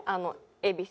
恵比寿！？